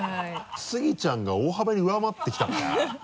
スギちゃんが大幅に上回ってきたから。